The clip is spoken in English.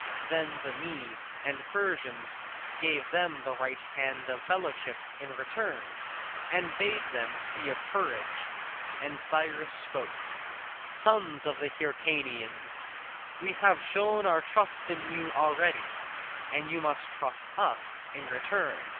Then the Medes and Persians gave them the right hand of fellowship in return, and bade them be of courage. And Cyrus spoke: "Sons of the Hyrcanians, we have shown our trust in you already, and you must trust us in return.